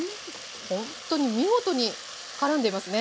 ほんとに見事にからんでいますね。